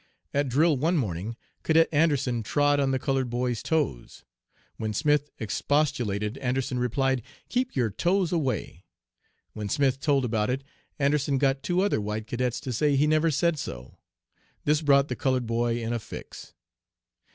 "At drill one morning Cadet Anderson trod on the colored boy's toes. When Smith expostulated Anderson replied, 'Keep your toes away.' When Smith told about it Anderson got two other white cadets to say he never said so. This brought the colored boy in a fix.